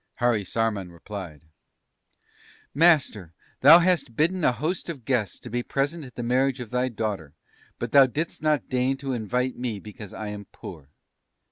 "Harisarman replied: "'Master, thou hast bidden a host of guests to be present at the marriage of thy daughter; but thou didst not deign to invite me because I am poor.